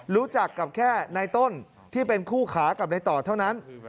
รู้จักกับแค่ในต้นที่เป็นคู่ขากับในต่อเท่านั้น